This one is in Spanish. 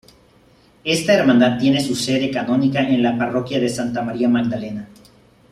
Esta hermandad tiene su sede canónica en la parroquia de Santa María Magdalena.